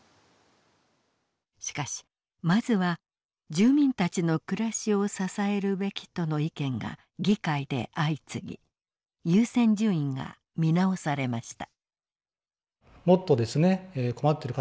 しかしまずは住民たちの暮らしを支えるべきとの意見が議会で相次ぎ優先順位が見直されました。